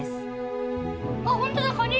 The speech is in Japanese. あ本当だカニ！